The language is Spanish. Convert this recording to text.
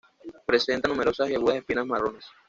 Presenta numerosas y agudas espinas marrones.